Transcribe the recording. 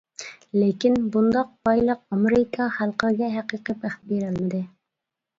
لېكىن، بۇنداق بايلىق ئامېرىكا خەلقىگە ھەقىقىي بەخت بېرەلمىدى.